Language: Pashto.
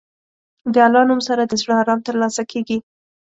د الله نوم سره د زړه ارام ترلاسه کېږي.